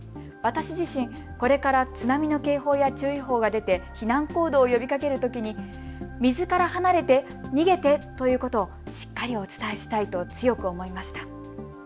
私自身、これから津波の警報や注意報が出て避難行動を呼びかけるときに水から離れて、逃げてということをしっかりお伝えしたいと強く思いました。